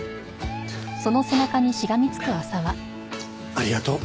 ありがとう。